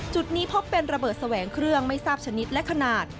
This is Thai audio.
จุดนี้พบเป็นระเบิดแสวงเครื่องไม่ทราบชนิดและขนาด